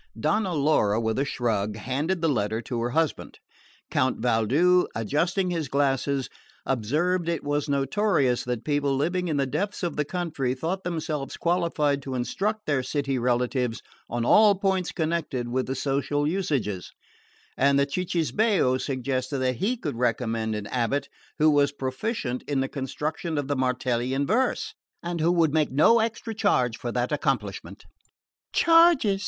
Donna Laura, with a shrug, handed the letter to her husband; Count Valdu, adjusting his glasses, observed it was notorious that people living in the depths of the country thought themselves qualified to instruct their city relatives on all points connected with the social usages; and the cicisbeo suggested that he could recommend an abate who was proficient in the construction of the Martellian verse, and who would made no extra charge for that accomplishment. "Charges!"